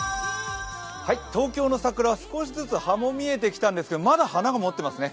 東京の桜は少しずつ葉も見えてきたんですけど、まだ花がもっていますね。